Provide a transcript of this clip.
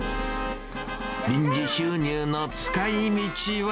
臨時収入の使いみちは？